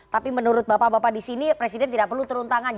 tapi menurut bapak bapak di sini presiden tidak perlu turun tangan